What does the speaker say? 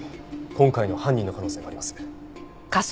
今回の犯人の可能性があります。